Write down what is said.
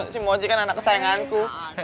si moji kan anak kesayanganku